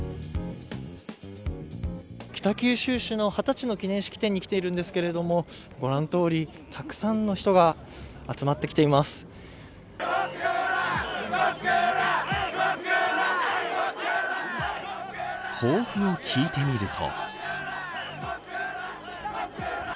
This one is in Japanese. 北九州市の二十歳の記念式典に来ているんですけれどもご覧のとおり、たくさんの人が抱負を聞いてみると。